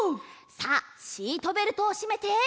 さあシートベルトをしめて。